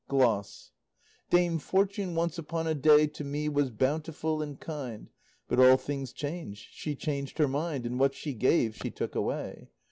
GLOSS Dame Fortune once upon a day To me was bountiful and kind; But all things change; she changed her mind, And what she gave she took away.